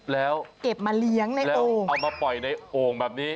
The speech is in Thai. แล้วเอามาปล่อยในโอ่งแบบนี้